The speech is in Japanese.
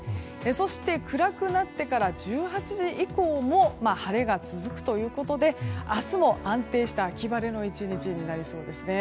そして、暗くなってから１８時以降も晴れが続くということで明日も安定した秋晴れの１日になりそうですね。